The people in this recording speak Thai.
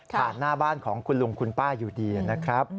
หน้าบ้านของคุณลุงคุณป้าอยู่ดีนะครับ